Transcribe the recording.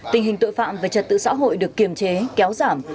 tình hình tội phạm về trật tự xã hội được kiềm chế kéo giảm